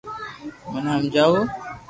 مني ھمجاوُ